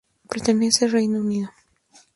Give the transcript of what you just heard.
Pertenece al Reino Unido.